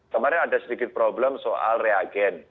kemarin ada sedikit problem soal reagen